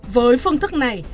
với phương thức này